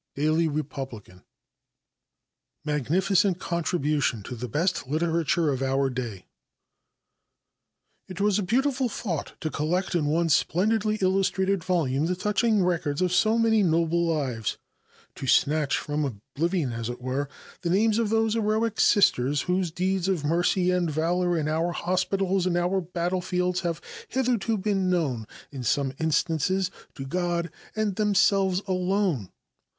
Daily Republican. "Magnificent Contribution to the Best Literature of Our Day." It was a beautiful thought to collect in one splendidly illustrated volume the touching records of so many noble lives; to snatch from oblivion, as it were, the names of those heroic Sisters whose deeds of mercy and valor in our hospitals and on our battlefields have hitherto been known, in some instances, to God and themselves alone.